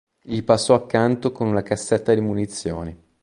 gli passò accanto con una cassetta di munizioni